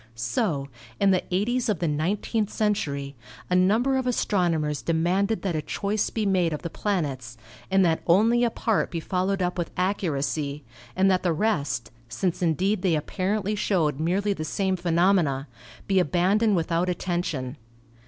So, in the eighties of the nineteenth century, a number of astronomers demanded that a choice be made of the plan ets, and that only a part be followed up with accuracy, and that the rest (since indeed they apparently showed merely the same phenomena) be abandoned without at tention.